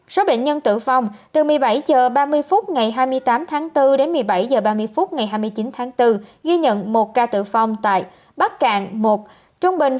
số bệnh nhân tử phong từ một mươi bảy h ba mươi phút ngày hai mươi tám tháng bốn